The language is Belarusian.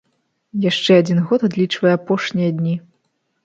Яшчэ адзін год адлічвае апошнія дні.